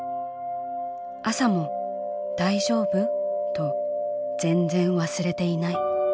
朝も『大丈夫？』と全然わすれていない。